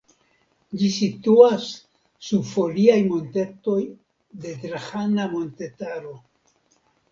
Ĝi situas sub foliaj montetoj de Drahana montetaro.